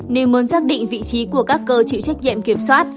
nếu muốn giác định vị trí của các cơ chịu trách nhiệm kiểm soát